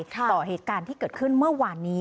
ต่อเหตุการณ์ที่เกิดขึ้นเมื่อวานนี้